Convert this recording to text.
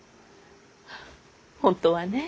本当はね